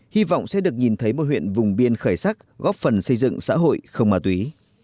hy vọng sẽ được nhìn thấy một huyện vùng biên khởi sắc góp phần xây dựng xã hội không ma túy